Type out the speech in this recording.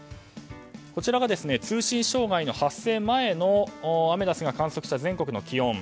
こちらが通信障害発生前のアメダスが観測した全国の気温。